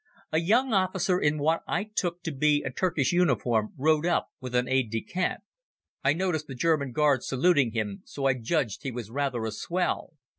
A young officer in what I took to be a Turkish uniform rode up with an aide de camp. I noticed the German guards saluting him, so I judged he was rather a swell.